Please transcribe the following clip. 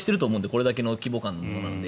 これだけの規模感のものなので。